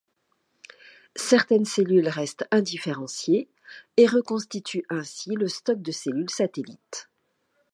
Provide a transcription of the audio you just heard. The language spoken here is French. Certaines cellules restent indifférenciées et reconstituent ainsi le stock de cellules satellites.